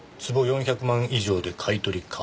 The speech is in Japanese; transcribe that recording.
「坪４００万以上で買い取り可。